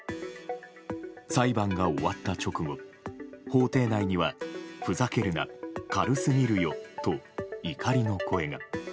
裁判が終わった直後、法廷内にはふざけるな、軽すぎるよと怒りの声が。